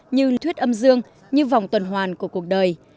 như thuyết âm dương như vòng tuần hoàn của cuộc đời